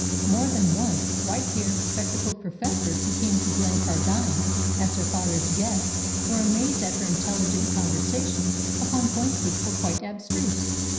More than once, white haired, spectacled professors who came to Glencardine as her father's guests were amazed at her intelligent conversation upon points which were quite abstruse.